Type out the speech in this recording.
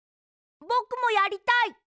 ぼくもやりたい。